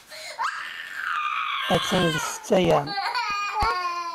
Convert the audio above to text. Attan d ssetta yagi.